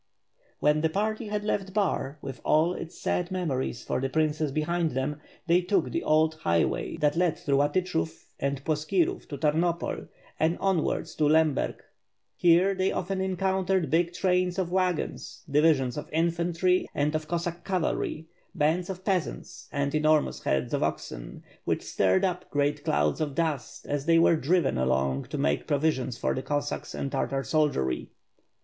When the party had left Bar with all its sad memories for the prin cess behind them, they took the old highway that led through Latichov and Ploskirov to Tarnopol, and onwards to Lem berg. Here they often encountered big trains of wagons, divisions of infantry, and of Cossack cavalry, bands of pea sants and enormous herds of oxen, which stirred up great clouds of dust as they were driven along to make provision for the Cossack and Tartar soldiery.